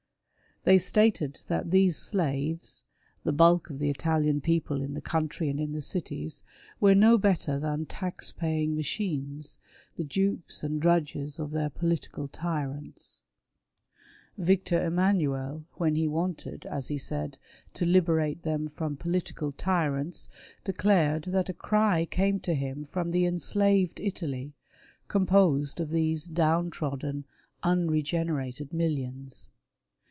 They stated that these slaves — the bulk of the Italian people in the country and in the cities — were no better than tax paying machines, the dupes and drudges of their political tyrants. Victor Emmanuel, when he wanted, as he said, " to liberate them from political tyrants," declared that a cry came to him from the " enslaved Italy," composed of these down trodden, unregenerated millions.